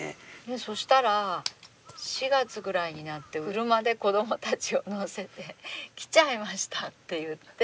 そしたら４月ぐらいになって車で子どもたちを乗せて「来ちゃいました」って言って。